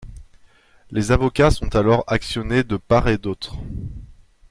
Les avocats sont alors actionnés de part et d'autre.